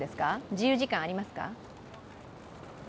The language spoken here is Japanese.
自由時間ありますか？